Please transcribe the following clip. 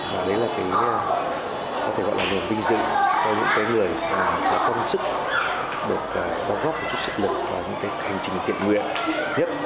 và đấy là cái có thể gọi là một vinh dự cho những người